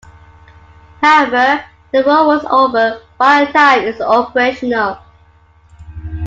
However the war was over by the time it was operational.